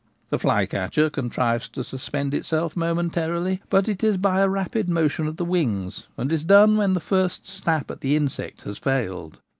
The flycatcher contrives to suspend itself momentarily, but it is by a rapid motion of the wings, and is done when the first snap at the insect has failed.